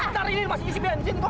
iya bentar ini masih isi bensin kok